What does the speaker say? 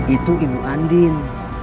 itu ibu andin